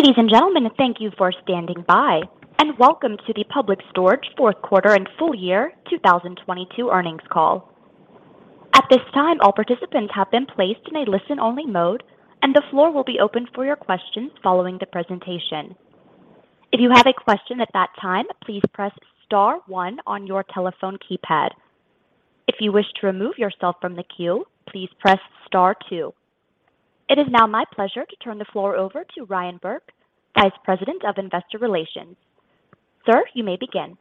Ladies and gentlemen, thank you for standing by, welcome to the Public Storage fourth quarter and full year 2022 earnings call. At this time, all participants have been placed in a listen-only mode, and the floor will be open for your questions following the presentation. If you have a question at that time, please press star one on your telephone keypad. If you wish to remove yourself from the queue, please press star two. It is now my pleasure to turn the floor over to Ryan Burke, Vice President of Investor Relations. Sir, you may begin.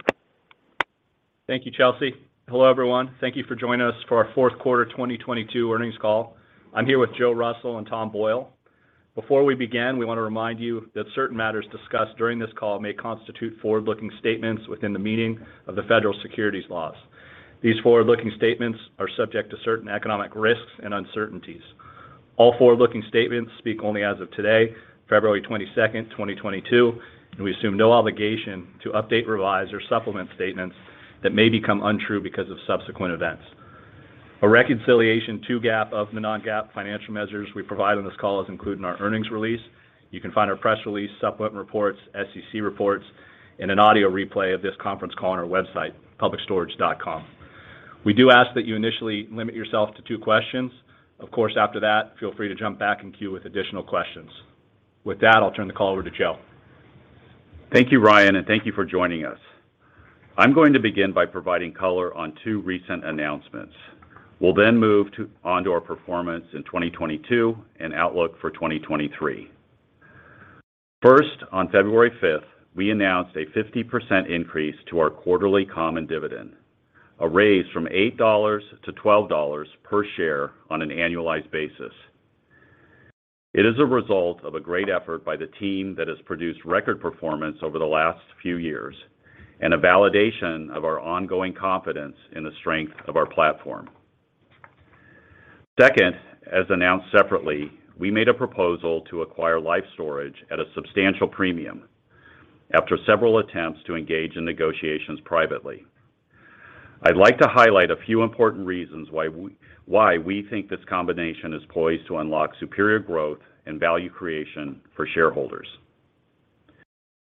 Thank you, Chelsea. Hello, everyone. Thank you for joining us for our fourth quarter 2022 earnings call. I'm here with Joe Russell and Tom Boyle. Before we begin, we want to remind you that certain matters discussed during this call may constitute forward-looking statements within the meaning of the federal securities laws. These forward-looking statements are subject to certain economic risks and uncertainties. All forward-looking statements speak only as of today, February 22nd, 2022, and we assume no obligation to update, revise, or supplement statements that may become untrue because of subsequent events. A reconciliation to GAAP of the non-GAAP financial measures we provide on this call is included in our earnings release. You can find our press release, supplement reports, SEC reports, and an audio replay of this conference call on our website, publicstorage.com. We do ask that you initially limit yourself to two questions. Of course, after that, feel free to jump back in queue with additional questions. With that, I'll turn the call over to Joe. Thank you, Ryan, and thank you for joining us. I'm going to begin by providing color on two recent announcements. We'll then move to on to our performance in 2022 and outlook for 2023. First, on February 5th, we announced a 50% increase to our quarterly common dividend, a raise from $8 to $12 per share on an annualized basis. It is a result of a great effort by the team that has produced record performance over the last few years and a validation of our ongoing confidence in the strength of our platform. Second, as announced separately, we made a proposal to acquire Life Storage at a substantial premium after several attempts to engage in negotiations privately. I'd like to highlight a few important reasons why we think this combination is poised to unlock superior growth and value creation for shareholders.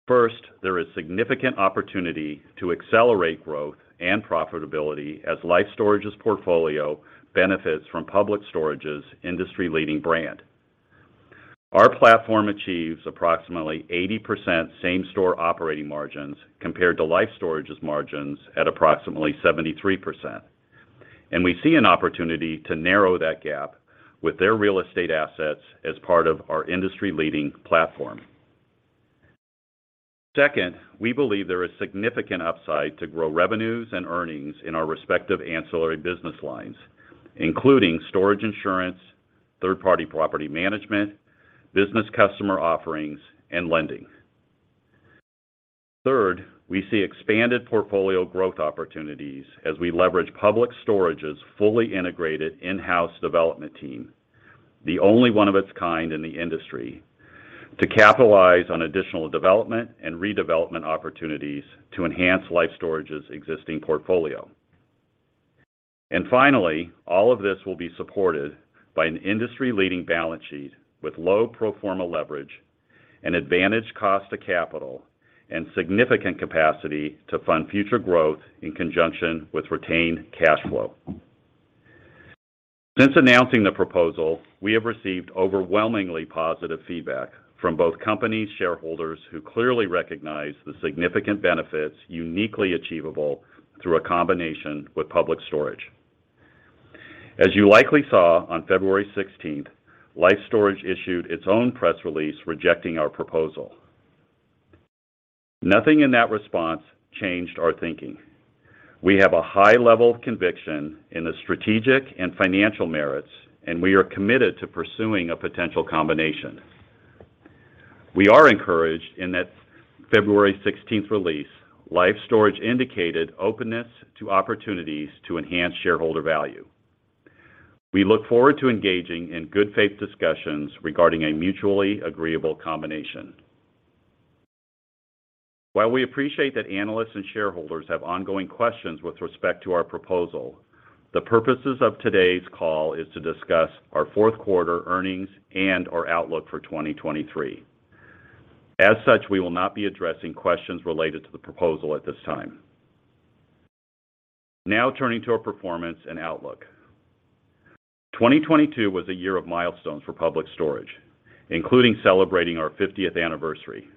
First, there is significant opportunity to accelerate growth and profitability as Life Storage's portfolio benefits from Public Storage's industry-leading brand. Our platform achieves approximately 80% same-store operating margins compared to Life Storage's margins at approximately 73%, we see an opportunity to narrow that gap with their real estate assets as part of our industry-leading platform. Second, we believe there is significant upside to grow revenues and earnings in our respective ancillary business lines, including storage insurance, third-party property management, business customer offerings, and lending. Third, we see expanded portfolio growth opportunities as we leverage Public Storage's fully integrated in-house development team, the only one of its kind in the industry, to capitalize on additional development and redevelopment opportunities to enhance Life Storage's existing portfolio. Finally, all of this will be supported by an industry-leading balance sheet with low pro forma leverage and advantage cost to capital and significant capacity to fund future growth in conjunction with retained cash flow. Since announcing the proposal, we have received overwhelmingly positive feedback from both companies' shareholders who clearly recognize the significant benefits uniquely achievable through a combination with Public Storage. As you likely saw on February 16th, Life Storage issued its own press release rejecting our proposal. Nothing in that response changed our thinking. We have a high level of conviction in the strategic and financial merits, and we are committed to pursuing a potential combination. We are encouraged in that February 16th release, Life Storage indicated openness to opportunities to enhance shareholder value. We look forward to engaging in good faith discussions regarding a mutually agreeable combination. While we appreciate that analysts and shareholders have ongoing questions with respect to our proposal, the purposes of today's call is to discuss our fourth quarter earnings and our outlook for 2023. As such, we will not be addressing questions related to the proposal at this time. Now turning to our performance and outlook. 2022 was a year of milestones for Public Storage, including celebrating our 50th anniversary.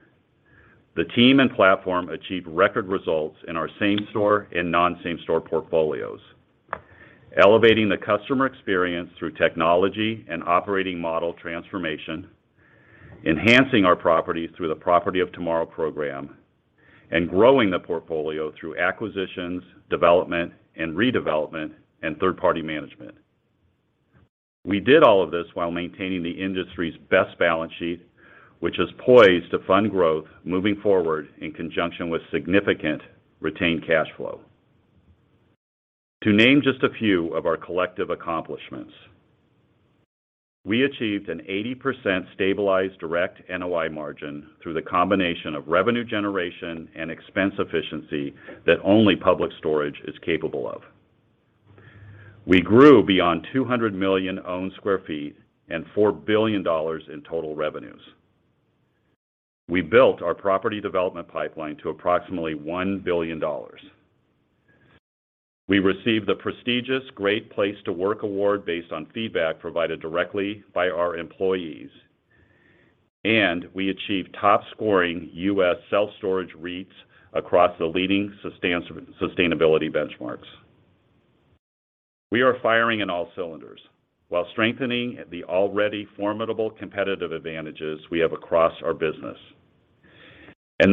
The team and platform achieved record results in our same-store and non-same-store portfolios, elevating the customer experience through technology and operating model transformation, enhancing our properties through the Property of Tomorrow program, and growing the portfolio through acquisitions, development, and redevelopment, and third-party management. We did all of this while maintaining the industry's best balance sheet, which is poised to fund growth moving forward in conjunction with significant retained cash flow. To name just a few of our collective accomplishments, we achieved an 80% stabilized direct NOI margin through the combination of revenue generation and expense efficiency that only Public Storage is capable of. We grew beyond 200 million owned sq ft and $4 billion in total revenues. We built our property development pipeline to approximately $1 billion. We received the prestigious Great Place to Work award based on feedback provided directly by our employees. We achieved top-scoring U.S. self-storage REITs across the leading sustainability benchmarks. We are firing on all cylinders while strengthening the already formidable competitive advantages we have across our business.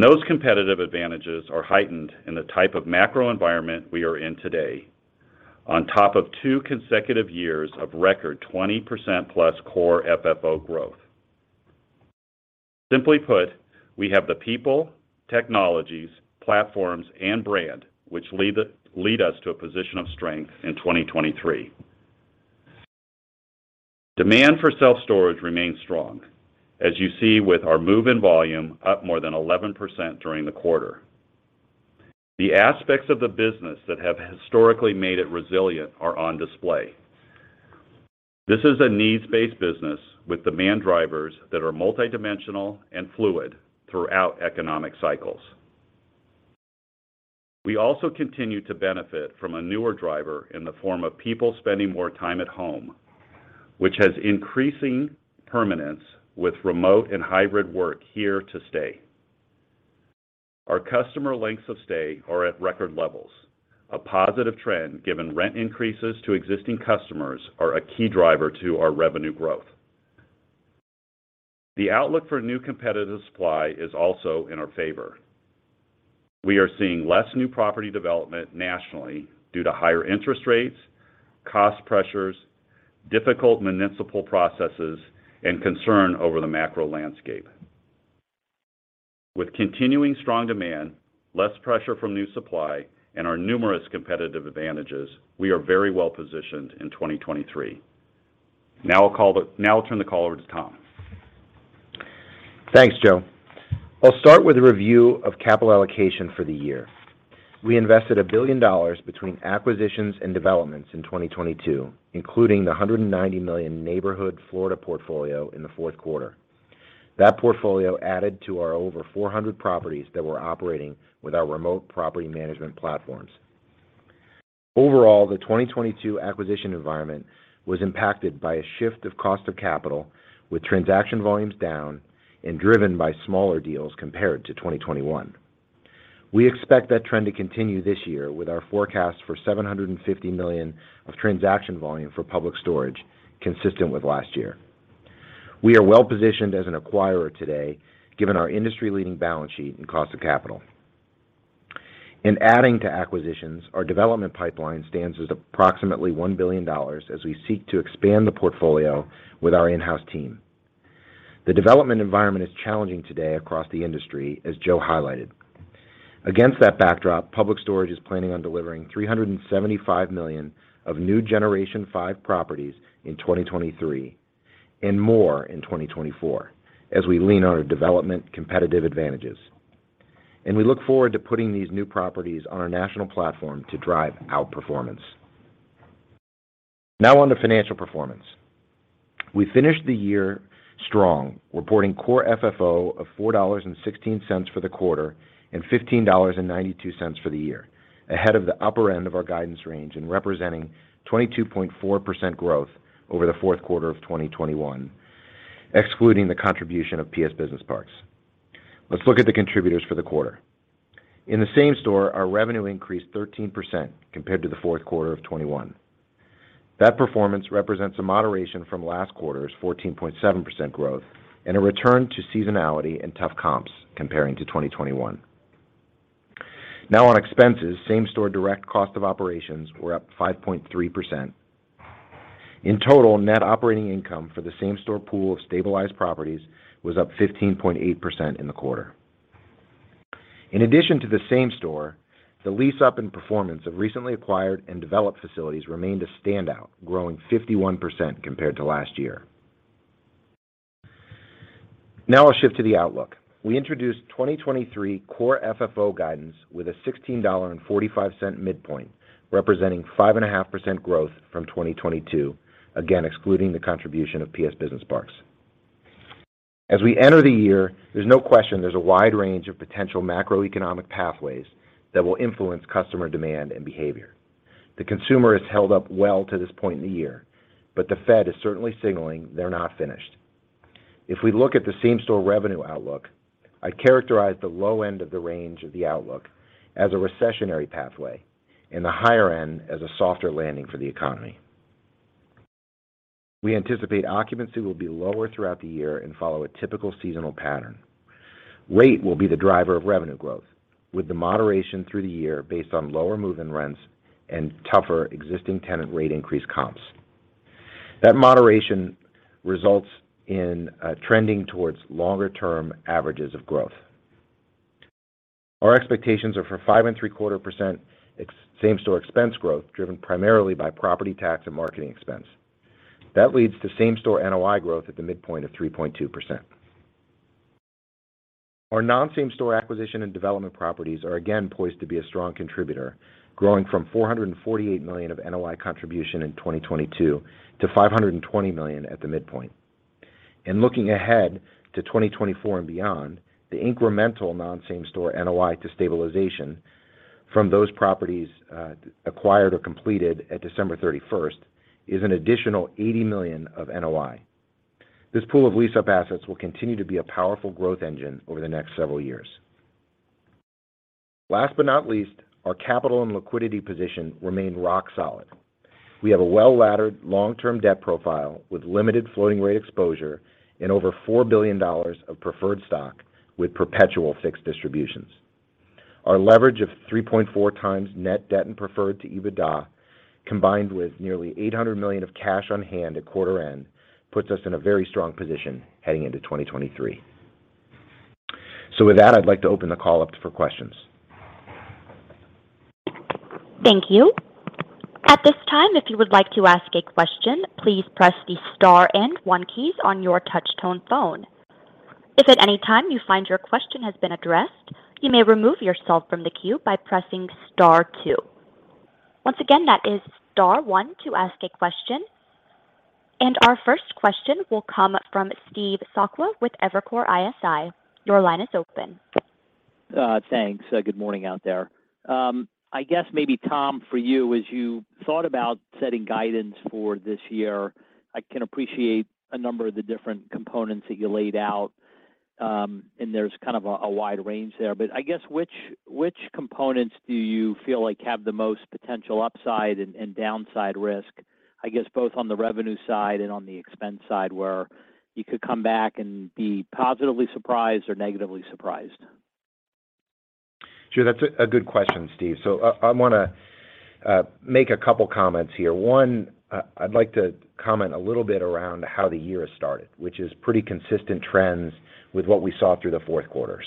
Those competitive advantages are heightened in the type of macro environment we are in today. On top of two consecutive years of record, 20%+ Core FFO growth. Simply put, we have the people, technologies, platforms, and brand which lead us to a position of strength in 2023. Demand for self-storage remains strong, as you see with our move-in volume up more than 11% during the quarter. The aspects of the business that have historically made it resilient are on display. This is a needs-based business with demand drivers that are multidimensional and fluid throughout economic cycles. We also continue to benefit from a newer driver in the form of people spending more time at home, which has increasing permanence with remote and hybrid work here to stay. Our customer lengths of stay are at record levels, a positive trend given rent increases to existing customers are a key driver to our revenue growth. The outlook for new competitive supply is also in our favor. We are seeing less new property development nationally due to higher interest rates, cost pressures, difficult municipal processes, and concern over the macro landscape. With continuing strong demand, less pressure from new supply, and our numerous competitive advantages, we are very well positioned in 2023. Now I'll turn the call over to Tom. Thanks, Joe. I'll start with a review of capital allocation for the year. We invested $1 billion between acquisitions and developments in 2022, including the $190 million Neighborhood Florida portfolio in the fourth quarter. That portfolio added to our over 400 properties that we're operating with our remote property management platforms. The 2022 acquisition environment was impacted by a shift of cost of capital, with transaction volumes down and driven by smaller deals compared to 2021. We expect that trend to continue this year with our forecast for $750 million of transaction volume for Public Storage consistent with last year. We are well-positioned as an acquirer today, given our industry-leading balance sheet and cost of capital. In adding to acquisitions, our development pipeline stands at approximately $1 billion as we seek to expand the portfolio with our in-house team. The development environment is challenging today across the industry, as Joe highlighted. Against that backdrop, Public Storage is planning on delivering $375 million of new Generation 5 properties in 2023 and more in 2024 as we lean on our development competitive advantages. We look forward to putting these new properties on our national platform to drive outperformance. Now on to financial performance. We finished the year strong, reporting Core FFO of $4.16 for the quarter and $15.92 for the year, ahead of the upper end of our guidance range and representing 22.4% growth over the fourth quarter of 2021, excluding the contribution of PS Business Parks. Let's look at the contributors for the quarter. In the same-store, our revenue increased 13% compared to the fourth quarter of 2021. That performance represents a moderation from last quarter's 14.7% growth and a return to seasonality and tough comps comparing to 2021. On expenses, same-store direct cost of operations were up 5.3%. In total, net operating income for the same-store pool of stabilized properties was up 15.8% in the quarter. In addition to the same-store, the lease-up and performance of recently acquired and developed facilities remained a standout, growing 51% compared to last year. I'll shift to the outlook. We introduced 2023 Core FFO guidance with a $16.45 midpoint, representing 5.5% growth from 2022, again, excluding the contribution of PS Business Parks. As we enter the year, there's no question there's a wide range of potential macroeconomic pathways that will influence customer demand and behavior. The consumer has held up well to this point in the year, but the Fed is certainly signaling they're not finished. If we look at the same-store revenue outlook, I'd characterize the low end of the range of the outlook as a recessionary pathway and the higher end as a softer landing for the economy. We anticipate occupancy will be lower throughout the year and follow a typical seasonal pattern. Rate will be the driver of revenue growth, with the moderation through the year based on lower move-in rents and tougher existing tenant rate increase comps. That moderation results in trending towards longer-term averages of growth. Our expectations are for 5.75% same-store expense growth, driven primarily by property tax and marketing expense. That leads to same-store NOI growth at the midpoint of 3.2%. Our non-same store acquisition and development properties are again poised to be a strong contributor, growing from $448 million of NOI contribution in 2022 to $520 million at the midpoint. Looking ahead to 2024 and beyond, the incremental non-same store NOI to stabilization from those properties acquired or completed at December 31st is an additional $80 million of NOI. This pool of lease-up assets will continue to be a powerful growth engine over the next several years. Last but not least, our capital and liquidity position remain rock solid. We have a well-laddered long-term debt profile with limited floating rate exposure and over $4 billion of preferred stock with perpetual fixed distributions. Our leverage of 3.4x net debt and preferred to EBITDA, combined with nearly $800 million of cash on hand at quarter-end, puts us in a very strong position heading into 2023. With that, I'd like to open the call up for questions. Thank you. At this time, if you would like to ask a question, please press the star and one key on your touch tone phone. If at any time you find your question has been addressed, you may remove yourself from the queue by pressing star two. Once again, that is star one to ask a question. Our first question will come from Steve Sakwa with Evercore ISI. Your line is open. Thanks. Good morning out there. I guess maybe, Tom, for you, as you thought about setting guidance for this year, I can appreciate a number of the different components that you laid out, and there's kind of a wide range there. I guess which components do you feel like have the most potential upside and downside risk, I guess, both on the revenue side and on the expense side, where you could come back and be positively surprised or negatively surprised? Sure. That's a good question, Steve. I wanna make a couple comments here. One, I'd like to comment a little bit around how the year started, which is pretty consistent trends with what we saw through the fourth quarter.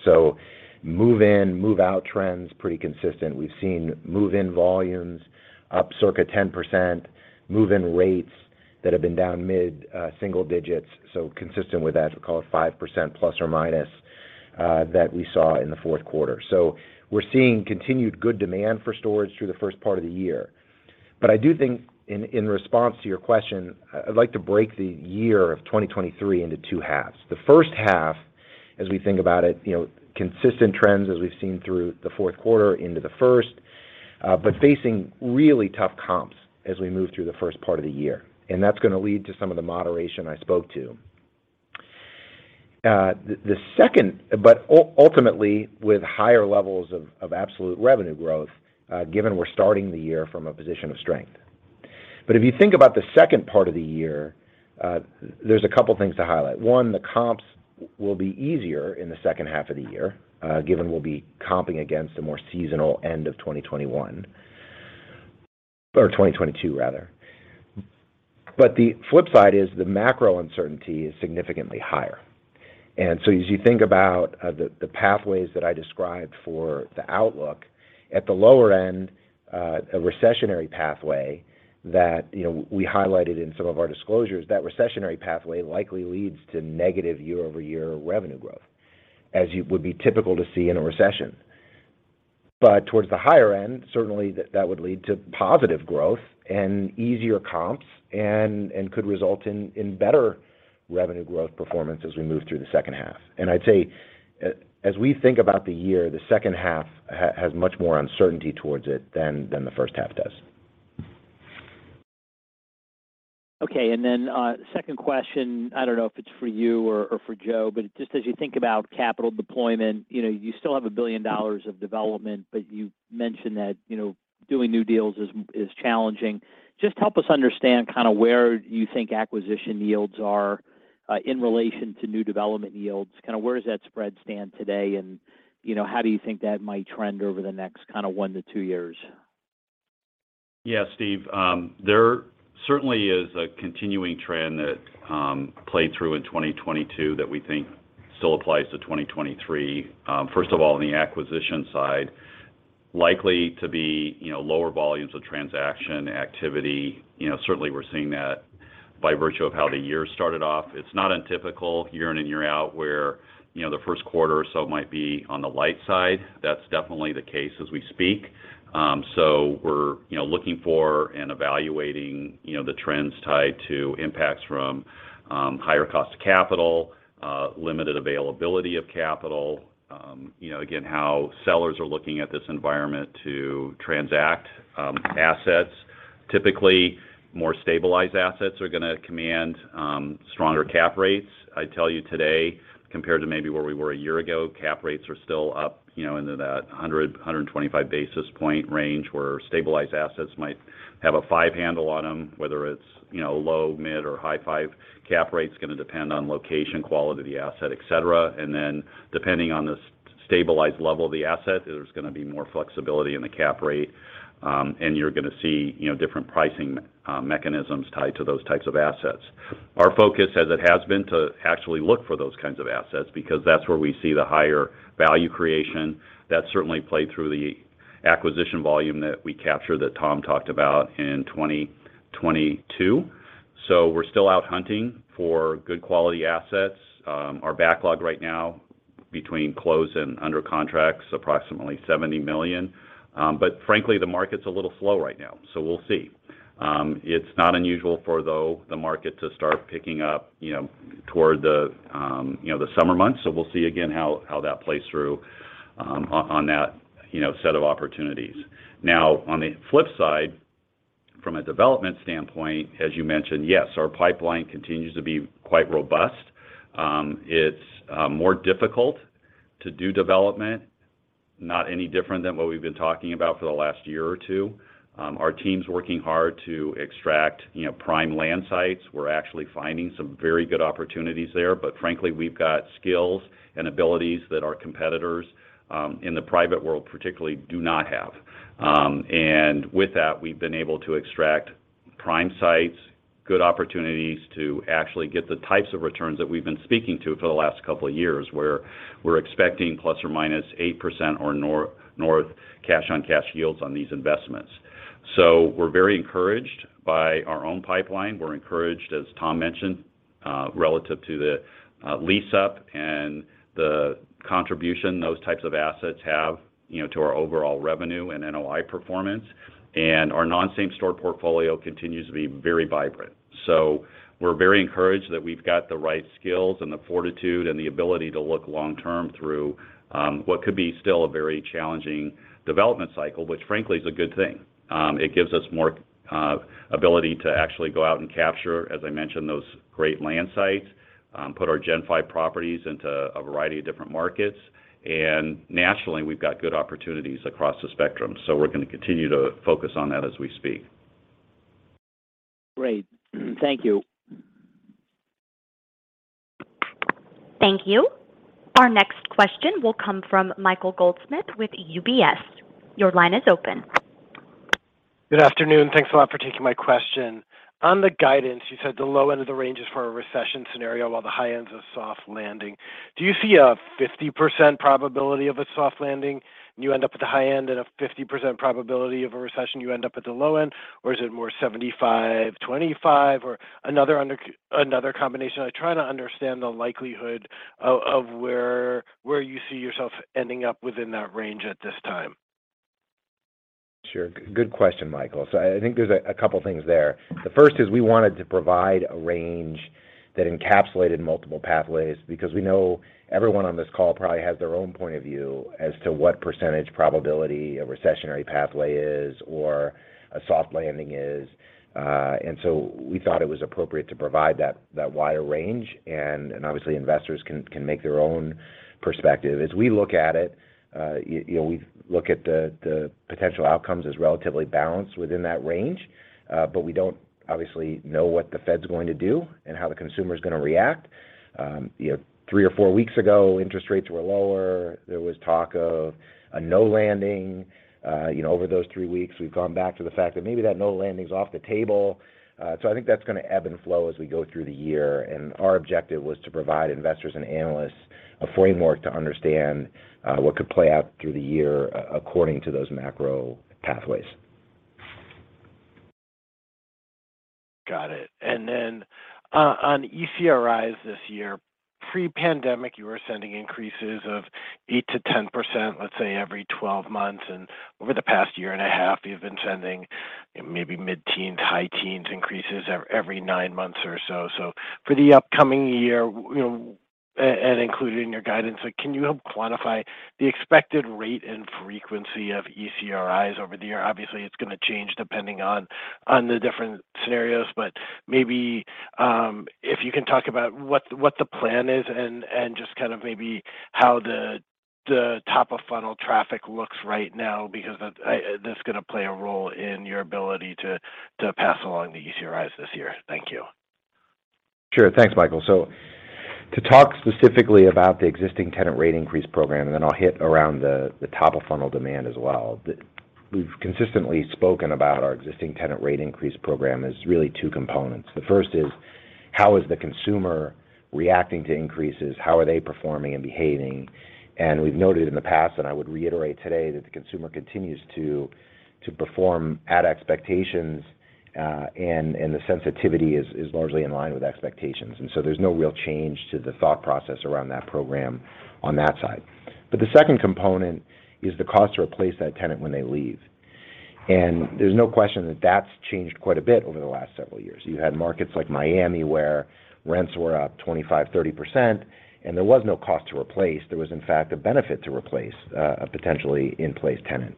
Move in, move out trends, pretty consistent. We've seen move-in volumes up circa 10%, move-in rates that have been down mid single digits, consistent with that, we call it 5% ± that we saw in the fourth quarter. We're seeing continued good demand for storage through the first part of the year. I do think in response to your question, I'd like to break the year of 2023 into two halves. The first half, as we think about it, you know, consistent trends as we've seen through the fourth quarter into the first, but facing really tough comps as we move through the first part of the year. That's gonna lead to some of the moderation I spoke to. The second but ultimately, with higher levels of absolute revenue growth, given we're starting the year from a position of strength. If you think about the second part of the year, there's a couple of things to highlight. One, the comps will be easier in the second half of the year, given we'll be comping against a more seasonal end of 2021, or 2022 rather. The flip side is the macro uncertainty is significantly higher. As you think about the pathways that I described for the outlook, at the lower end, a recessionary pathway that, you know, we highlighted in some of our disclosures, that recessionary pathway likely leads to negative year-over-year revenue growth, as you would be typical to see in a recession. Towards the higher end, certainly that would lead to positive growth and easier comps and could result in better revenue growth performance as we move through the second half. I'd say, as we think about the year, the second half has much more uncertainty towards it than the first half does. Okay. Then second question, I don't know if it's for you or for Joe, but just as you think about capital deployment, you know, you still have a billion dollars of development, but you mentioned that, you know, doing new deals is challenging. Just help us understand kinda where you think acquisition yields are in relation to new development yields. Kinda where does that spread stand today and, you know, how do you think that might trend over the next kinda one to two years? Yeah, Steve. There certainly is a continuing trend that played through in 2022 that we think still applies to 2023. First of all, on the acquisition side, likely to be, you know, lower volumes of transaction activity. You know, certainly we're seeing that by virtue of how the year started off. It's not untypical year in and year out where, you know, the first quarter or so might be on the light side. That's definitely the case as we speak. So we're, you know, looking for and evaluating, you know, the trends tied to impacts from higher cost of capital, limited availability of capital, again, how sellers are looking at this environment to transact assets. Typically, more stabilized assets are gonna command stronger cap rates. I tell you today, compared to maybe where we were a year ago, cap rates are still up, you know, into that 100-125 basis point range where stabilized assets might have a five handle on them, whether it's, you know, low, mid or high five cap rate, it's gonna depend on location, quality of the asset, et cetera. Depending on the stabilized level of the asset, there's gonna be more flexibility in the cap rate, and you're gonna see, you know, different pricing mechanisms tied to those types of assets. Our focus, as it has been, to actually look for those kinds of assets because that's where we see the higher value creation. That certainly played through the acquisition volume that we captured that Tom talked about in 2022. We're still out hunting for good quality assets. Our backlog right now between close and under contracts, approximately $70 million. Frankly, the market's a little slow right now, so we'll see. It's not unusual for, though, the market to start picking up, you know, toward the, you know, the summer months. We'll see again how that plays through on that, you know, set of opportunities. Now, on the flip side, from a development standpoint, as you mentioned, yes, our pipeline continues to be quite robust. It's more difficult to do development, not any different than what we've been talking about for the last year or two. Our team's working hard to extract, you know, prime land sites. We're actually finding some very good opportunities there. Frankly, we've got skills and abilities that our competitors in the private world particularly do not have. With that, we've been able to extract prime sites, good opportunities to actually get the types of returns that we've been speaking to for the last couple of years, where we're expecting ±8% or north cash-on-cash yields on these investments. We're very encouraged by our own pipeline. We're encouraged, as Tom mentioned, relative to the lease up and the contribution those types of assets have, you know, to our overall revenue and NOI performance. Our non-same store portfolio continues to be very vibrant. We're very encouraged that we've got the right skills and the fortitude and the ability to look long-term through what could be still a very challenging development cycle, which frankly, is a good thing. It gives us more ability to actually go out and capture, as I mentioned, those great land sites, put our Gen 5 properties into a variety of different markets. Nationally, we've got good opportunities across the spectrum. We're gonna continue to focus on that as we speak. Great. Thank you. Thank you. Our next question will come from Michael Goldsmith with UBS. Your line is open. Good afternoon. Thanks a lot for taking my question. On the guidance, you said the low end of the range is for a recession scenario, while the high end is a soft landing. Do you see a 50% probability of a soft landing, and you end up at the high end, and a 50% probability of a recession, you end up at the low end? Or is it more 75%, 25%, or another another combination? I'm trying to understand the likelihood of where you see yourself ending up within that range at this time. Sure. Good question, Michael. I think there's a couple things there. The first is we wanted to provide a range that encapsulated multiple pathways because we know everyone on this call probably has their own point of view as to what percentage probability a recessionary pathway is or a soft landing is. We thought it was appropriate to provide that wider range, and obviously investors can make their own perspective. As we look at it, you know, we look at the potential outcomes as relatively balanced within that range, but we don't obviously know what the Fed's going to do and how the consumer is gonna react. You know, three or four weeks ago, interest rates were lower. There was talk of a no landing. You know, over those three weeks, we've gone back to the fact that maybe that no landing is off the table. I think that's gonna ebb and flow as we go through the year. Our objective was to provide investors and analysts a framework to understand what could play out through the year according to those macro pathways. Got it. Then on ECRIs this year, pre-pandemic, you were sending increases of 8%-10%, let's say, every 12 months. Over the past year and a half, you've been sending maybe mid-teens, high teens increases every 9 months or so. For the upcoming year, you know, and including your guidance, like, can you help quantify the expected rate and frequency of ECRIs over the year? Obviously, it's gonna change depending on the different scenarios, but maybe, if you can talk about what the plan is and just kind of maybe how the top of funnel traffic looks right now because that's gonna play a role in your ability to pass along the ECRIs this year. Thank you. Sure. Thanks, Michael. To talk specifically about the existing tenant rate increase program, then I'll hit around the top of funnel demand as well. We've consistently spoken about our existing tenant rate increase program as really two components. The first is, how is the consumer reacting to increases? How are they performing and behaving? We've noted in the past, and I would reiterate today, that the consumer continues to perform at expectations, and the sensitivity is largely in line with expectations. There's no real change to the thought process around that program on that side. The second component is the cost to replace that tenant when they leave. There's no question that that's changed quite a bit over the last several years. You had markets like Miami, where rents were up 25%-30%, and there was no cost to replace. There was, in fact, a benefit to replace a potentially in-place tenant.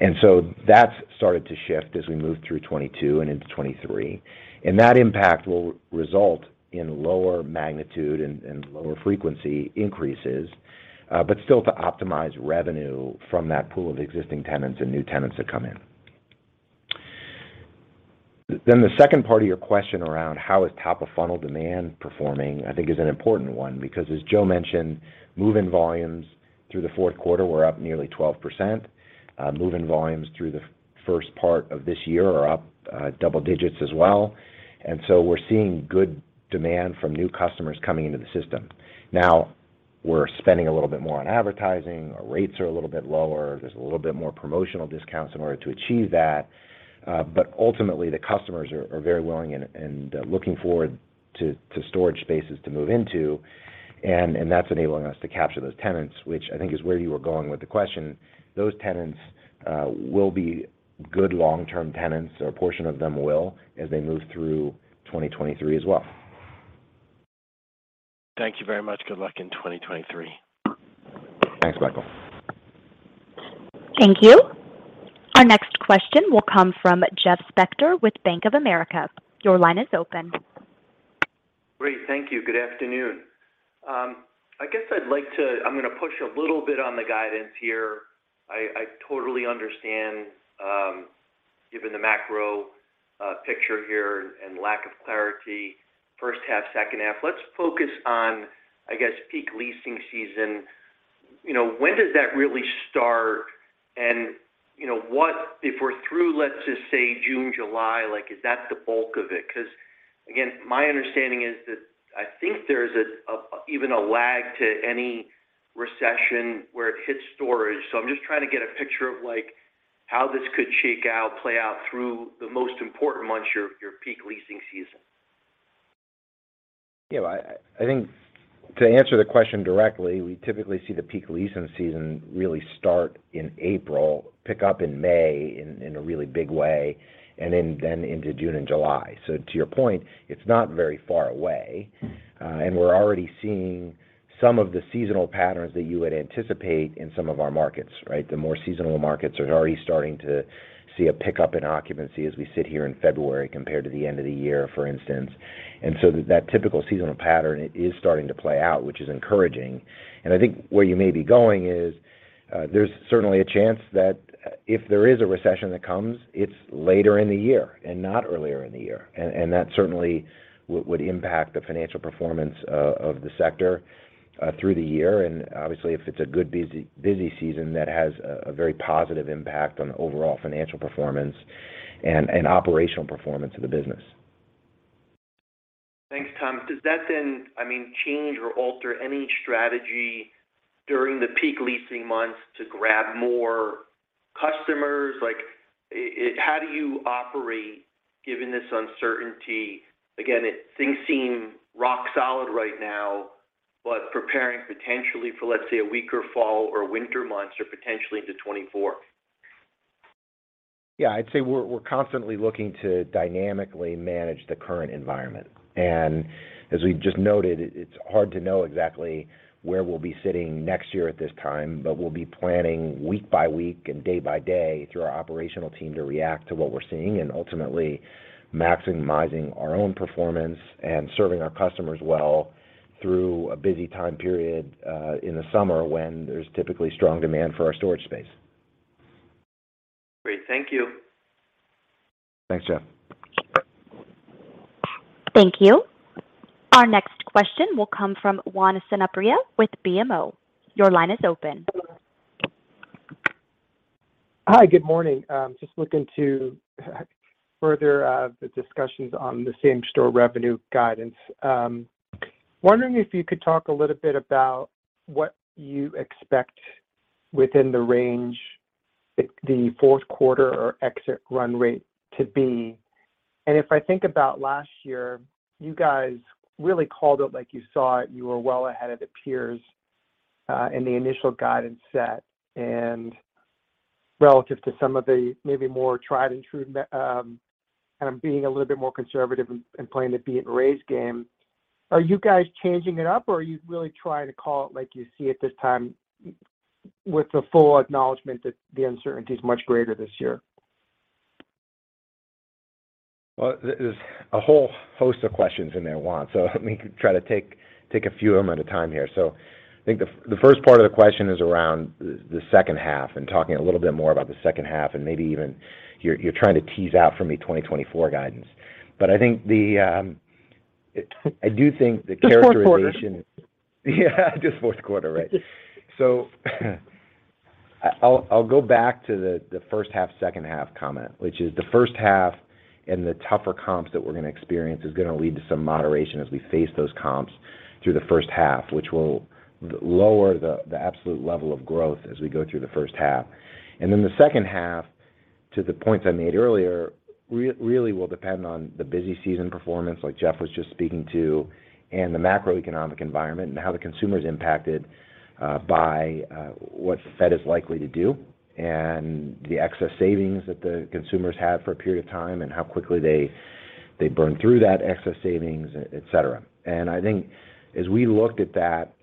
That's started to shift as we move through 2022 and into 2023. That impact will result in lower magnitude and lower frequency increases, but still to optimize revenue from that pool of existing tenants and new tenants that come in. The second part of your question around how is top-of-funnel demand performing, I think is an important one because as Joe mentioned, move-in volumes through the fourth quarter were up nearly 12%. Move-in volumes through the first part of this year are up double digits as well. We're seeing good demand from new customers coming into the system. We're spending a little bit more on advertising, our rates are a little bit lower, there's a little bit more promotional discounts in order to achieve that. Ultimately the customers are very willing and looking forward to storage spaces to move into, and that's enabling us to capture those tenants, which I think is where you were going with the question. Those tenants will be good long-term tenants, or a portion of them will, as they move through 2023 as well. Thank you very much. Good luck in 2023. Thanks, Michael. Thank you. Our next question will come from Jeff Spector with Bank of America. Your line is open. Great. Thank you. Good afternoon. I'm gonna push a little bit on the guidance here. I totally understand, given the macro picture here and lack of clarity, first half, second half. Let's focus on, I guess, peak leasing season. You know, when does that really start? You know, if we're through, let's just say, June, July, like is that the bulk of it? Again, my understanding is that I think there's even a lag to any recession where it hits storage. I'm just trying to get a picture of like how this could shake out, play out through the most important months, your peak leasing season. You know, I think to answer the question directly, we typically see the peak leasing season really start in April, pick up in May in a really big way, and then into June and July. To your point, it's not very far away, and we're already seeing some of the seasonal patterns that you would anticipate in some of our markets, right? The more seasonal markets are already starting to see a pickup in occupancy as we sit here in February compared to the end of the year, for instance. That typical seasonal pattern is starting to play out, which is encouraging. I think where you may be going is, there's certainly a chance that if there is a recession that comes, it's later in the year and not earlier in the year. That certainly would impact the financial performance of the sector through the year. Obviously if it's a good busy season that has a very positive impact on the overall financial performance and operational performance of the business. Thanks, Tom. Does that, I mean, change or alter any strategy during the peak leasing months to grab more customers? Like how do you operate given this uncertainty? Again, things seem rock solid right now, preparing potentially for, let's say, a weaker fall or winter months or potentially into 2024. Yeah. I'd say we're constantly looking to dynamically manage the current environment. As we just noted, it's hard to know exactly where we'll be sitting next year at this time, but we'll be planning week by week and day by day through our operational team to react to what we're seeing and ultimately maximizing our own performance and serving our customers well through a busy time period in the summer when there's typically strong demand for our storage space. Great. Thank you. Thanks, Jeff. Thank you. Our next question will come from Juan Sanabria with BMO. Your line is open. Hi. Good morning. Just looking to further the discussions on the same-store revenue guidance. Wondering if you could talk a little bit about what you expect within the range the fourth quarter or exit run rate to be? If I think about last year, you guys really called it like you saw it. You were well ahead of the peers in the initial guidance set and relative to some of the maybe more tried and true kind of being a little bit more conservative and playing the beat and raise game. Are you guys changing it up, or are you really trying to call it like you see it this time with the full acknowledgement that the uncertainty is much greater this year? There's a whole host of questions in there, Juan. Let me try to take a few of them at a time here. I think the first part of the question is around the second half and talking a little bit more about the second half, and maybe even you're trying to tease out for me 2024 guidance. I do think the characterization- Just fourth quarter. Just fourth quarter, right. I'll go back to the first half, second half comment, which is the first half and the tougher comps that we're gonna experience is gonna lead to some moderation as we face those comps through the first half, which will lower the absolute level of growth as we go through the first half. The second half, to the points I made earlier, really will depend on the busy season performance, like Jeff was just speaking to, and the macroeconomic environment and how the consumer is impacted by what the Fed is likely to do and the excess savings that the consumers have for a period of time and how quickly they burn through that excess savings, et cetera. I think as we looked at that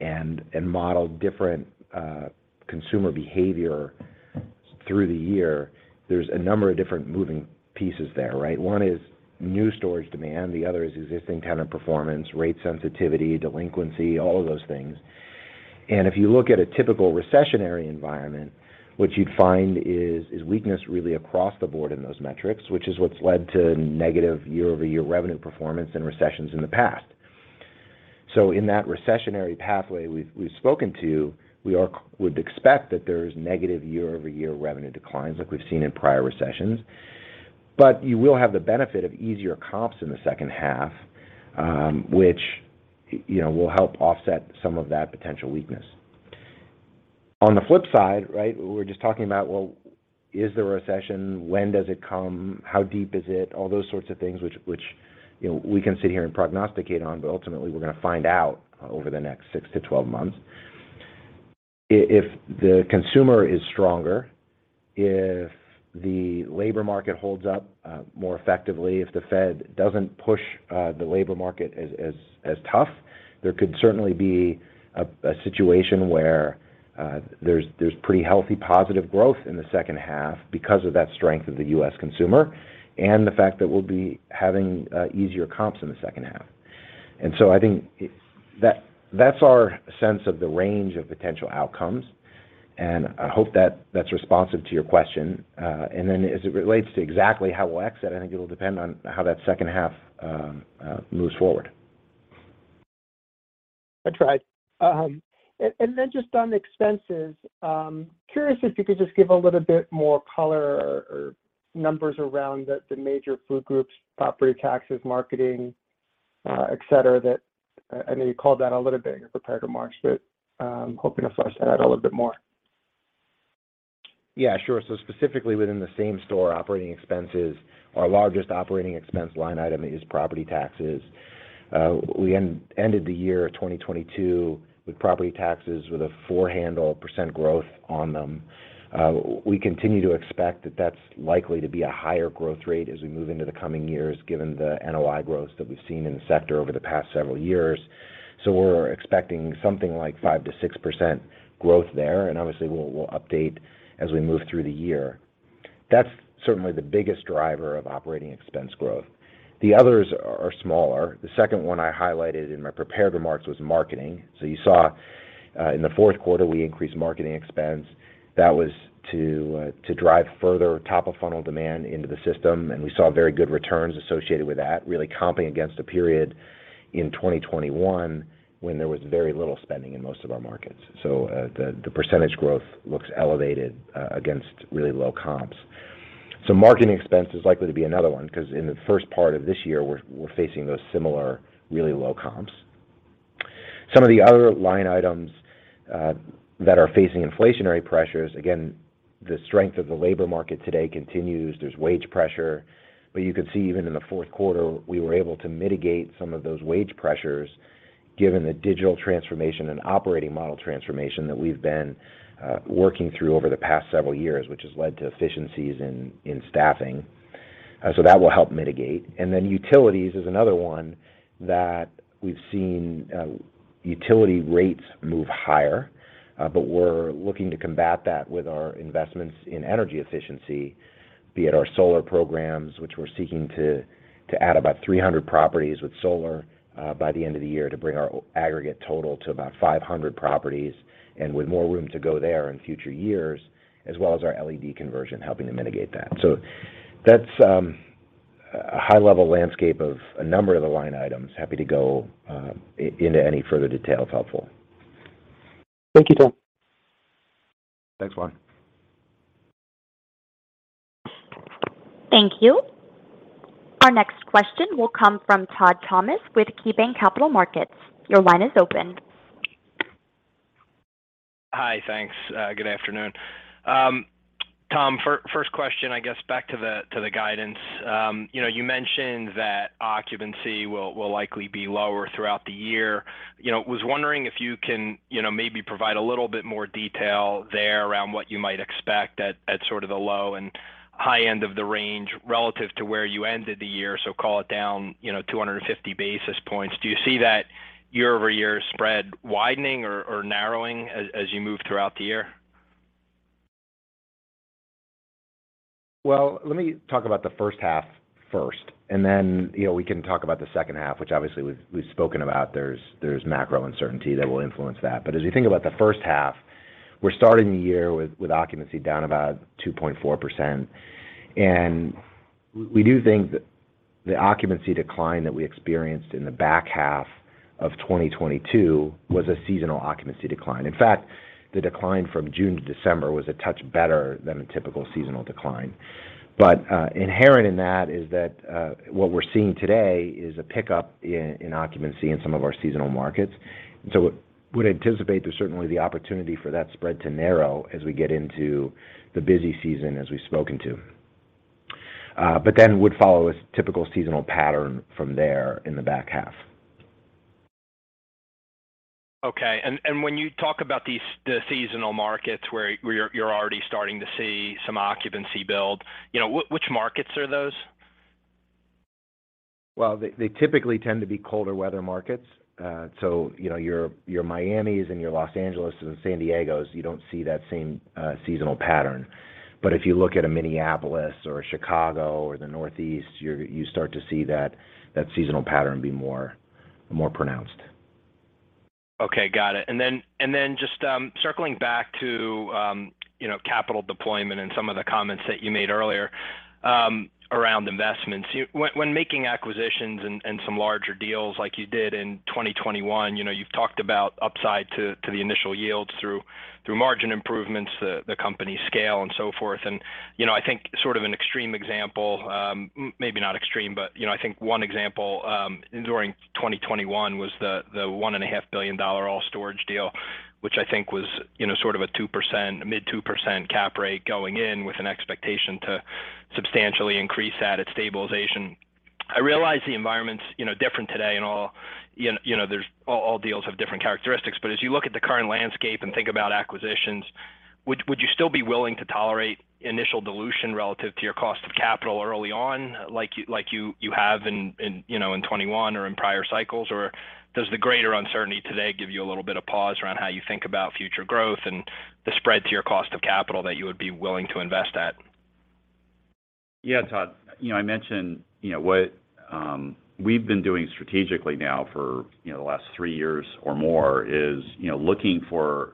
and modeled different consumer behavior through the year, there's a number of different moving pieces there, right. One is new storage demand, the other is existing tenant performance, rate sensitivity, delinquency, all of those things. If you look at a typical recessionary environment, what you'd find is weakness really across the board in those metrics, which is what's led to negative year-over-year revenue performance and recessions in the past. In that recessionary pathway we've spoken to, we would expect that there's negative year-over-year revenue declines like we've seen in prior recessions. You will have the benefit of easier comps in the second half, which, you know, will help offset some of that potential weakness. On the flip side, right, we're just talking about, well, is there a recession? When does it come? How deep is it? All those sorts of things, which, you know, we can sit here and prognosticate on, ultimately we're gonna find out over the next six to 12 months. If the consumer is stronger, if the labor market holds up more effectively, if the Fed doesn't push the labor market as tough, there could certainly be a situation where there's pretty healthy positive growth in the second half because of that strength of the U.S. consumer and the fact that we'll be having easier comps in the second half. I think that's our sense of the range of potential outcomes, and I hope that that's responsive to your question. As it relates to exactly how we'll exit, I think it'll depend on how that second half moves forward. I tried. Then just on expenses, curious if you could just give a little bit more color or numbers around the major food groups, property taxes, marketing, et cetera, that I know you called that a little bit in prepared remarks, but I'm hoping to flush that out a little bit more. Yeah, sure. Specifically within the same store operating expenses, our largest operating expense line item is property taxes. We ended the year of 2022 with property taxes with a 4% growth on them. We continue to expect that that's likely to be a higher growth rate as we move into the coming years, given the NOI growth that we've seen in the sector over the past several years. We're expecting something like 5%-6% growth there, and obviously we'll update as we move through the year. That's certainly the biggest driver of operating expense growth. The others are smaller. The second one I highlighted in my prepared remarks was marketing. You saw in the fourth quarter, we increased marketing expense. That was to drive further top-of-funnel demand into the system, and we saw very good returns associated with that, really comping against a period in 2021 when there was very little spending in most of our markets. The percentage growth looks elevated against really low comps. Marketing expense is likely to be another one, 'cause in the first part of this year, we're facing those similar really low comps. Some of the other line items that are facing inflationary pressures, again, the strength of the labor market today continues. There's wage pressure. You could see even in the fourth quarter, we were able to mitigate some of those wage pressures given the digital transformation and operating model transformation that we've been working through over the past several years, which has led to efficiencies in staffing. That will help mitigate. Utilities is another one that we've seen, utility rates move higher, but we're looking to combat that with our investments in energy efficiency, be it our solar programs, which we're seeking to add about 300 properties with solar by the end of the year to bring our aggregate total to about 500 properties, and with more room to go there in future years, as well as our LED conversion helping to mitigate that. That's a high-level landscape of a number of the line items. Happy to go into any further detail if helpful. Thank you, Tom. Thanks, Juan. Thank you. Our next question will come from Todd Thomas with KeyBanc Capital Markets. Your line is open. Hi, thanks. Good afternoon. Tom, first question, I guess back to the guidance. You know, you mentioned that occupancy will likely be lower throughout the year. You know, was wondering if you can, you know, maybe provide a little bit more detail there around what you might expect at sort of the low and high end of the range relative to where you ended the year, so call it down, you know, 250 basis points. Do you see that year-over-year spread widening or narrowing as you move throughout the year? Well, let me talk about the first half first, and then, you know, we can talk about the second half, which obviously we've spoken about. There's macro uncertainty that will influence that. As you think about the first half, we're starting the year with occupancy down about 2.4%. We do think that the occupancy decline that we experienced in the back half of 2022 was a seasonal occupancy decline. In fact, the decline from June to December was a touch better than a typical seasonal decline. Inherent in that is that, what we're seeing today is a pickup in occupancy in some of our seasonal markets. Would anticipate there's certainly the opportunity for that spread to narrow as we get into the busy season, as we've spoken to. Would follow a typical seasonal pattern from there in the back half. Okay. When you talk about these, the seasonal markets where you're already starting to see some occupancy build, you know, which markets are those? Well, they typically tend to be colder weather markets. You know, your Miamis and your Los Angeles and San Diegos, you don't see that same seasonal pattern. If you look at a Minneapolis or a Chicago or the Northeast, you start to see that seasonal pattern be more pronounced. Okay, got it. Just, circling back to, you know, capital deployment and some of the comments that you made earlier, around investments. When making acquisitions and some larger deals like you did in 2021, you know, you've talked about upside to the initial yields through margin improvements, the company scale and so forth. You know, I think sort of an extreme example, maybe not extreme, but you know, I think one example during 2021 was the $1.5 billion All Storage deal, which I think was, you know, sort of a 2%, mid 2% cap rate going in with an expectation to substantially increase that at stabilization. I realize the environment's, you know, different today and all. You, you know, all deals have different characteristics, but as you look at the current landscape and think about acquisitions, would you still be willing to tolerate initial dilution relative to your cost of capital early on like you have in, you know, in 2021 or in prior cycles? Or does the greater uncertainty today give you a little bit of pause around how you think about future growth and the spread to your cost of capital that you would be willing to invest at? Yeah. Todd, you know, I mentioned, you know, what, we've been doing strategically now for, you know, the last three years or more is, you know, looking for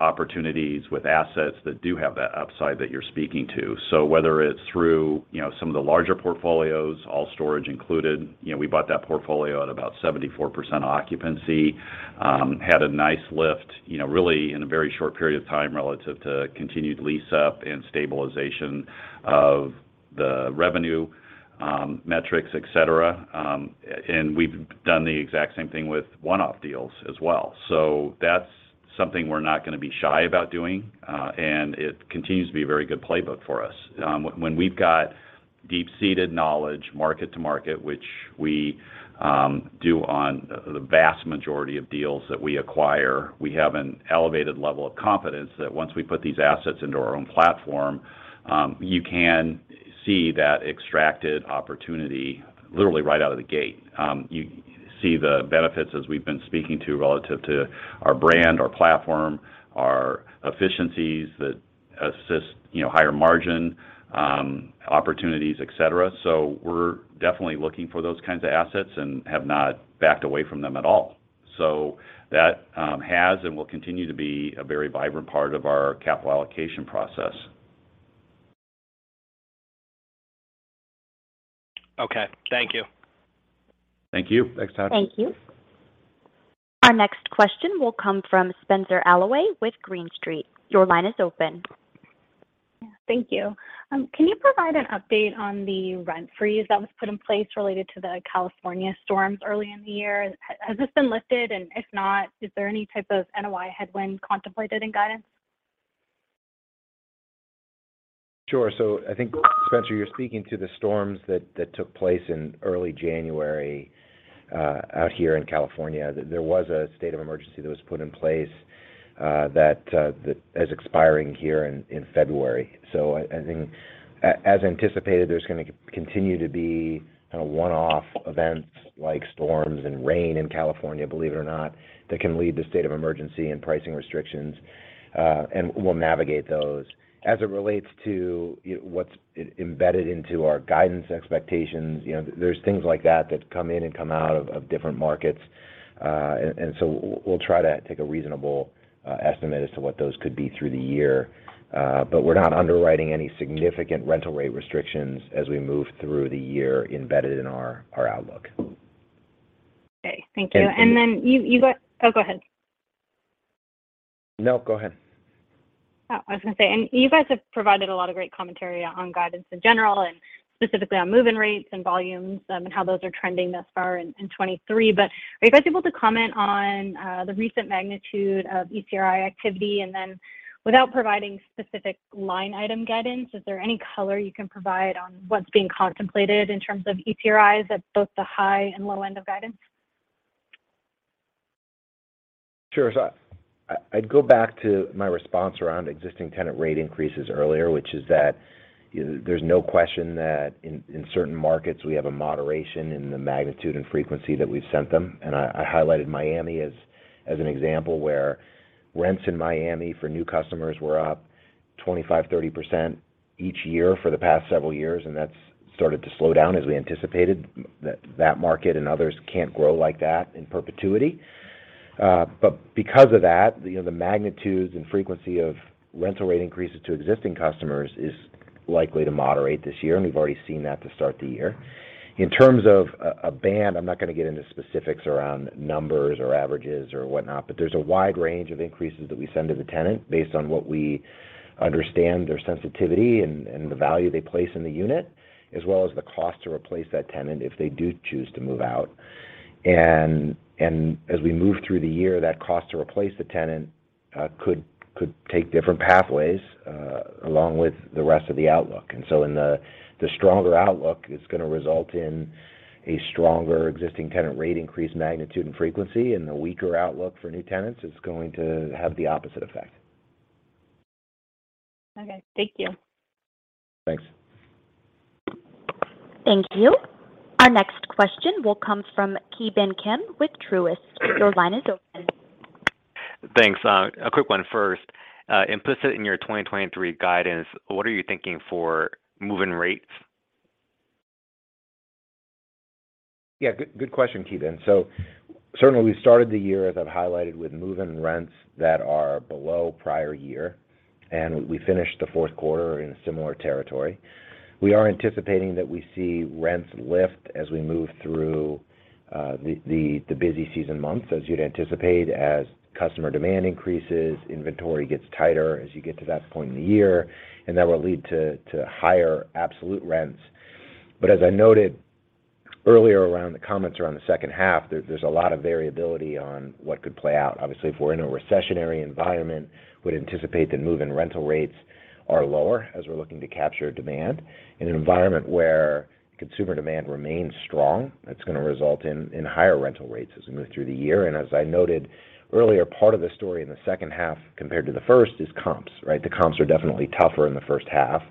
opportunities with assets that do have that upside that you're speaking to. Whether it's through, you know, some of the larger portfolios, All Storage included, you know, we bought that portfolio at about 74% occupancy. Had a nice lift, you know, really in a very short period of time relative to continued lease up and stabilization of the revenue, metrics, et cetera. We've done the exact same thing with one-off deals as well. That's something we're not gonna be shy about doing, and it continues to be a very good playbook for us. When we've got deep-seated knowledge market to market, which we do on the vast majority of deals that we acquire, we have an elevated level of confidence that once we put these assets into our own platform, you can see that extracted opportunity literally right out of the gate. You see the benefits as we've been speaking to relative to our brand, our platform, our efficiencies that assist, you know, higher margin opportunities, et cetera. We're definitely looking for those kinds of assets and have not backed away from them at all. That has and will continue to be a very vibrant part of our capital allocation process. Okay. Thank you. Thank you. Thanks, Todd. Thank you. Our next question will come from Spenser Allaway with Green Street. Your line is open. Thank you. Can you provide an update on the rent freeze that was put in place related to the California storms early in the year? Has this been lifted, and if not, is there any type of NOI headwind contemplated in guidance? Sure. I think, Spenser, you're speaking to the storms that took place in early January out here in California. There was a state of emergency that was put in place that is expiring here in February. I think as anticipated, there's gonna continue to be kind of one-off events like storms and rain in California, believe it or not, that can lead to state of emergency and pricing restrictions. We'll navigate those. As it relates to, what's embedded into our guidance expectations, you know, there's things like that that come in and come out of different markets. We'll try to take a reasonable estimate as to what those could be through the year. We're not underwriting any significant rental rate restrictions as we move through the year embedded in our outlook. Okay. Thank you. Thank you. Oh, go ahead. No, go ahead. I was gonna say, you guys have provided a lot of great commentary on guidance in general and specifically on move-in rates and volumes, and how those are trending thus far in 2023. Are you guys able to comment on the recent magnitude of ECRI activity? Without providing specific line item guidance, is there any color you can provide on what's being contemplated in terms of ECRIs at both the high and low end of guidance? Sure. I'd go back to my response around existing tenant rate increases earlier, which is that, you know, there's no question that in certain markets we have a moderation in the magnitude and frequency that we've sent them. I highlighted Miami as an example, where rents in Miami for new customers were up 25%, 30% each year for the past several years, and that's started to slow down as we anticipated. That market and others can't grow like that in perpetuity. Because of that, you know, the magnitudes and frequency of rental rate increases to existing customers is likely to moderate this year, and we've already seen that to start the year. In terms of a band, I'm not gonna get into specifics around numbers or averages or whatnot, but there's a wide range of increases that we send to the tenant based on what we understand their sensitivity and the value they place in the unit, as well as the cost to replace that tenant if they do choose to move out. As we move through the year, that cost to replace the tenant could take different pathways along with the rest of the outlook. In the stronger outlook, it's gonna result in a stronger existing tenant rate increase magnitude and frequency, and the weaker outlook for new tenants is going to have the opposite effect. Okay. Thank you. Thanks. Thank you. Our next question will come from Ki Bin Kim with Truist. Your line is open. Thanks. A quick one first. Implicit in your 2023 guidance, what are you thinking for move-in rates? Good question, Ki Bin. Certainly we started the year, as I've highlighted, with move-in rents that are below prior year, and we finished the fourth quarter in a similar territory. We are anticipating that we see rents lift as we move through the busy season months, as you'd anticipate, as customer demand increases, inventory gets tighter as you get to that point in the year, and that will lead to higher absolute rents. As I noted earlier around the comments around the second half, there's a lot of variability on what could play out. Obviously, if we're in a recessionary environment, would anticipate that move-in rental rates are lower as we're looking to capture demand. In an environment where consumer demand remains strong, that's gonna result in higher rental rates as we move through the year. As I noted earlier, part of the story in the second half compared to the first is comps, right? The comps are definitely tougher in the first half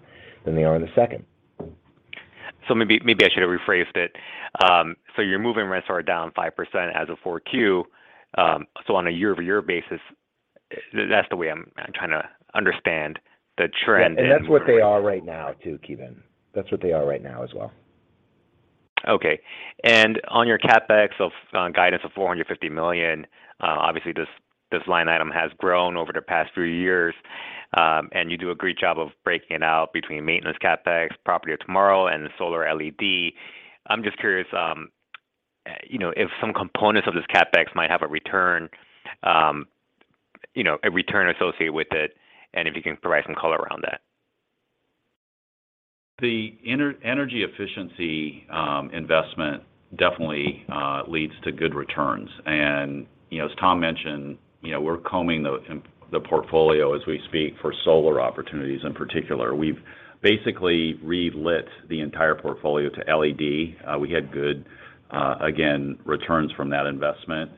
than they are in the second. Maybe I should have rephrased it. Your move-in rents are down 5% as of Q4, on a year-over-year basis, that's the way I'm trying to understand the trend. That's where they are right now too, Ki Bin. That's what they are right now as well. Okay. On your CapEx of, on guidance of $450 million, obviously this line item has grown over the past three years, and you do a great job of breaking it out between maintenance CapEx, Property of Tomorrow, and the solar LED. I'm just curious, you know, if some components of this CapEx might have a return, you know, a return associated with it, and if you can provide some color around that. The energy efficiency investment definitely leads to good returns. You know, as Tom mentioned, you know, we're combing the portfolio as we speak for solar opportunities in particular. We've basically re-lit the entire portfolio to LED. We had good, again, returns from that investment.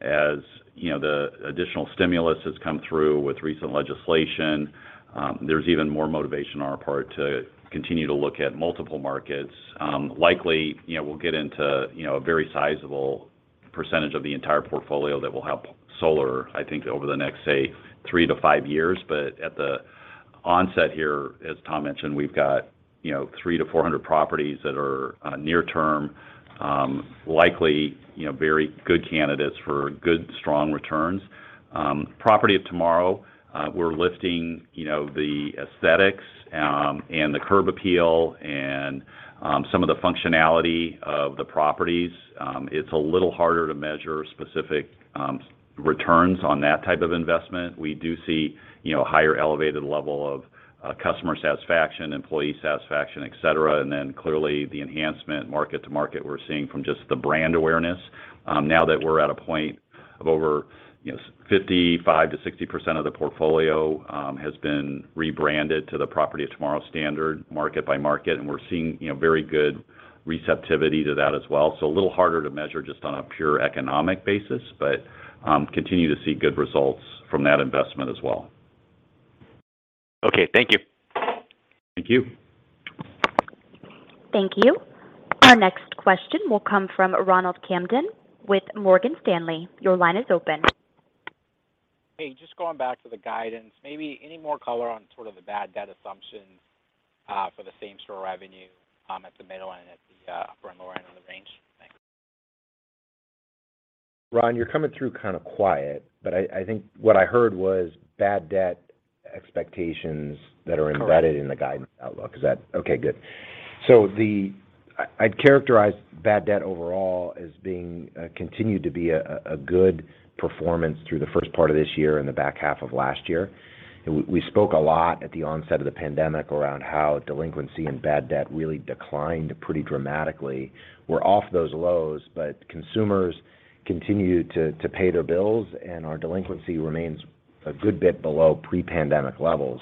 As, you know, the additional stimulus has come through with recent legislation, there's even more motivation on our part to continue to look at multiple markets. Likely, you know, we'll get into, you know, a very sizable percentage of the entire portfolio that will have solar, I think, over the next, say, three to five years. At the onset here, as Tom mentioned, we've got, you know, 300 to 400 properties that are near term, likely, you know, very good candidates for good, strong returns. Property of Tomorrow, we're lifting, you know, the aesthetics, and the curb appeal and some of the functionality of the properties. It's a little harder to measure specific returns on that type of investment. We do see, you know, higher elevated level of customer satisfaction, employee satisfaction, et cetera. Clearly, the enhancement market to market we're seeing from just the brand awareness, now that we're at a point of over, you know, 55%-60% of the portfolio, has been rebranded to the Property of Tomorrow standard market by market, and we're seeing, you know, very good receptivity to that as well. A little harder to measure just on a pure economic basis, but continue to see good results from that investment as well. Okay, thank you. Thank you. Thank you. Our next question will come from Ron Kamdem with Morgan Stanley. Your line is open. Hey, just going back to the guidance, maybe any more color on sort of the bad debt assumptions for the same-store revenue at the middle and at the upper and lower end of the range? Thanks. Ron, you're coming through kind of quiet, but I think what I heard was bad debt expectations that are- Correct embedded in the guidance outlook. Is that? Okay, good. I'd characterize bad debt overall as being continued to be a good performance through the first part of this year and the back half of last year. We spoke a lot at the onset of the pandemic around how delinquency and bad debt really declined pretty dramatically. We're off those lows, but consumers continue to pay their bills, and our delinquency remains a good bit below pre-pandemic levels.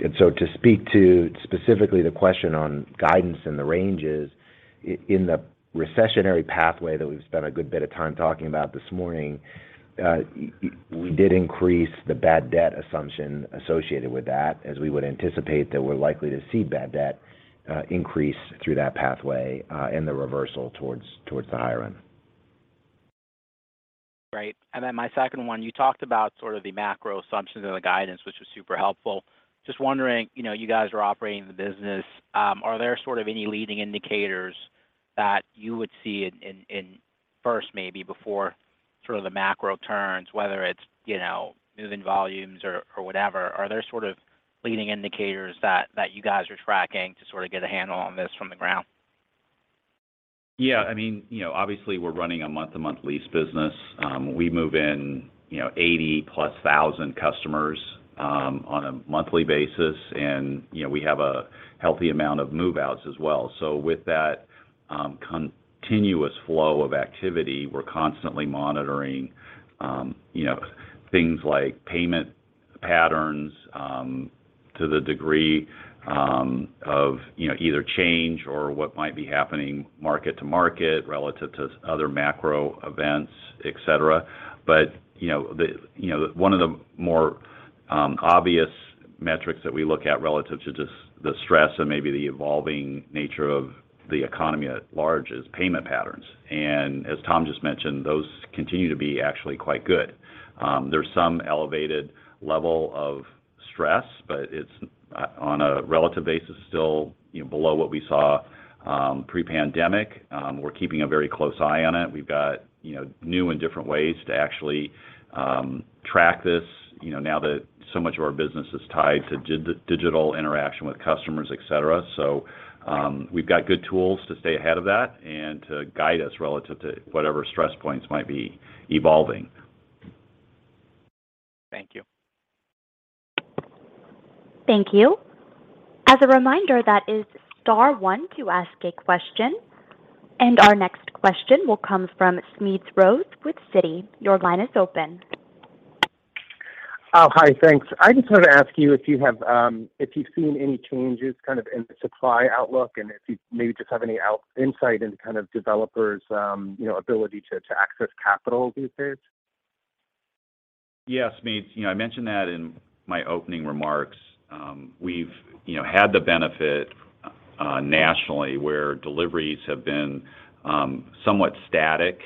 To speak to specifically the question on guidance and the ranges, in the recessionary pathway that we've spent a good bit of time talking about this morning, we did increase the bad debt assumption associated with that, as we would anticipate that we're likely to see bad debt increase through that pathway, and the reversal towards the higher end. Right. My second one, you talked about sort of the macro assumptions of the guidance, which was super helpful. Just wondering, you know, you guys are operating the business, are there sort of any leading indicators that you would see in first maybe before sort of the macro turns, whether it's, you know, move-in volumes or whatever? Are there sort of leading indicators that you guys are tracking to sort of get a handle on this from the ground? Yeah. I mean, you know, obviously we're running a month-to-month lease business. We move in, you know, 80+ thousand customers on a monthly basis and, you know, we have a healthy amount of move-outs as well. With that continuous flow of activity, we're constantly monitoring, you know, things like payment patterns to the degree of, you know, either change or what might be happening market to market relative to other macro events, et cetera. You know, the, you know, one of the more obvious metrics that we look at relative to just the stress and maybe the evolving nature of the economy at large is payment patterns. As Tom just mentioned, those continue to be actually quite good. There's some elevated level of Stress, but it's on a relative basis still, you know, below what we saw pre-pandemic. We're keeping a very close eye on it. We've got, you know, new and different ways to actually track this, you know, now that so much of our business is tied to digital interaction with customers, et cetera. We've got good tools to stay ahead of that and to guide us relative to whatever stress points might be evolving. Thank you. Thank you. As a reminder, that is star one to ask a question. Our next question will come from Smedes Rose with Citi. Your line is open. Oh, hi. Thanks. I just wanted to ask you if you have, if you've seen any changes kind of in the supply outlook and if you maybe just have any insight into kind of developers', you know, ability to access capital these days? Yes, Smedes. You know, I mentioned that in my opening remarks. We've, you know, had the benefit, nationally, where deliveries have been, somewhat static,